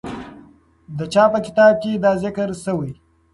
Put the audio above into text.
د چا په کتاب کې دا ذکر سوی؟